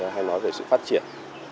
hay nói về sự phát triển